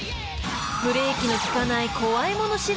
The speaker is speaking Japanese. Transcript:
［ブレーキの利かない怖いもの